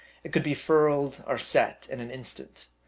It could be furled or set in an instant.